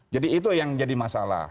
jadi itu yang jadi masalah